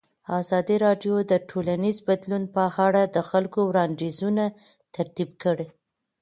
ازادي راډیو د ټولنیز بدلون په اړه د خلکو وړاندیزونه ترتیب کړي.